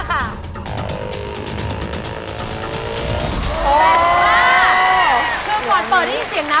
คือก่อนเปิดได้ยินเสียงนะ